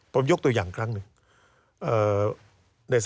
การเลือกตั้งครั้งนี้แน่